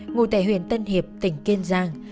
ngụ tệ huyền tân hiệp tỉnh kiên giang